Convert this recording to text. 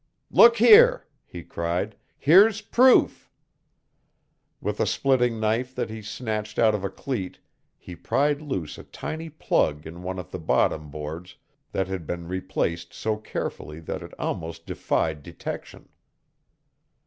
"Look here!" he cried. "Here's proof!" With a splitting knife that he snatched out of a cleat he pried loose a tiny plug in one of the bottom boards that had been replaced so carefully that it almost defied detection.